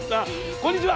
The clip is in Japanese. こんにちは！